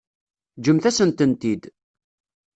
Ǧǧemt-asen-tent-id.